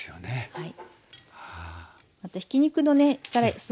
はい。